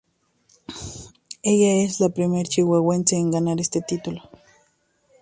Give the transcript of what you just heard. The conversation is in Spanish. Ella es la Primer Chihuahuense en ganar este título.